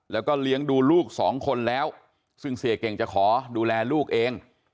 แล้วก็เลี้ยงดูลูกสองคนแล้วซึ่งเสียเก่งจะขอดูแลลูกเอง